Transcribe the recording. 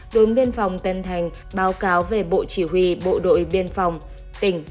đồn biên phòng tân thành báo cáo về bộ chỉ huy bộ đội biên phòng tỉnh